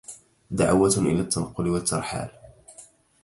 دعوة إلى التنقل والترحال